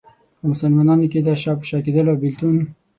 په مسلمانانو کې دا شا په شا کېدل او بېلتون.